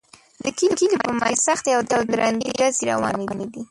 د کلي په منځ کې سختې او درندې ډزې روانې دي